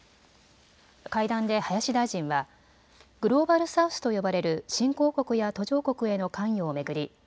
会談で林大臣はグローバル・サウスと呼ばれる新興国や途上国への関与を巡り